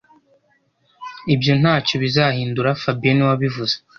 Ibyo ntacyo bizahindura fabien niwe wabivuze